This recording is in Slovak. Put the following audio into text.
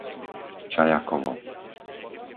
Čajakovo